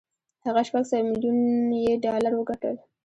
هغه شپږ سوه ميليون يې ډالر وګټل.